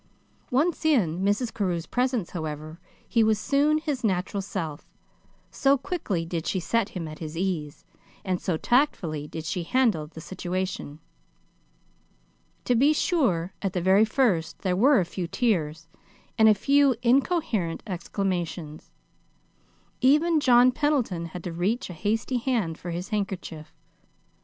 Once in Mrs. Carew's presence, however, he was soon his natural self, so quickly did she set him at his ease, and so tactfully did she handle the situation. To be sure, at the very first, there were a few tears, and a few incoherent exclamations. Even John Pendleton had to reach a hasty hand for his handkerchief.